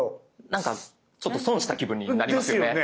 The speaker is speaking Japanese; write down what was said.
何かちょっと損した気分になりますよね。